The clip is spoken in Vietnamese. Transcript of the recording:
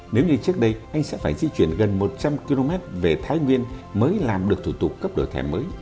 nếu như trước đây anh sẽ phải di chuyển gần một trăm linh km về thái nguyên mới làm được thủ tục cấp đổi thẻ mới